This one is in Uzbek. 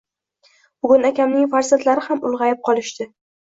Bugun akamning farzandlari ham ulg`ayib qolishdi